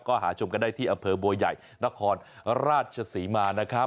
ก็หาชมกันได้ที่อำเภอบัวใหญ่นครราชศรีมานะครับ